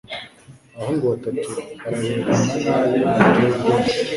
Abahungu batatu bararebana nabi biteye ibwoba